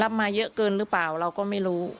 มาเยอะเกินหรือเปล่าเราก็ไม่รู้